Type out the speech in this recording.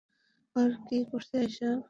ও কী করছে এসব?